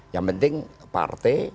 yang penting partai